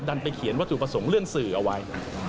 ไปเขียนวัตถุประสงค์เรื่องสื่อเอาไว้